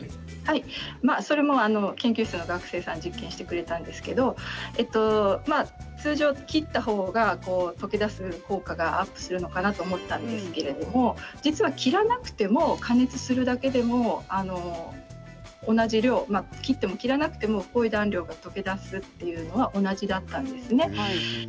それも研究室の学生さんが実験してくれたんですが通常切ったほうが溶け出す効果がアップするのかなと思ったんですけれども実は切らなくても加熱するだけでも同じ量を切っても切らなくてもフコイダン量が溶け出すというのは同じだったんですね。